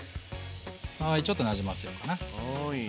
はいちょっとなじませようかな。はい。